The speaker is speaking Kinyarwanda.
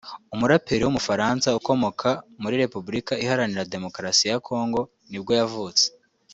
umuraperi w’umufaransa ukomoka muri Repubulika iharanira Demokarasi ya Congo nibwo yavutse